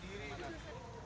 jawa timur dan jawa barat